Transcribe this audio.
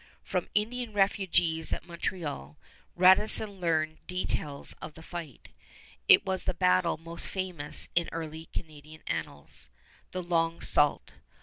From Indian refugees at Montreal, Radisson learned details of the fight. It was the battle most famous in early Canadian annals the Long Sault.